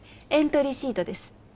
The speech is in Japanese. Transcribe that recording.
エントリーシートです。